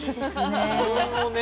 自分のね